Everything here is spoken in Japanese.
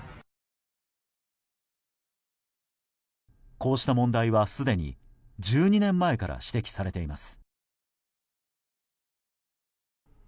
こうした問題はすでに１２年前から指摘されています。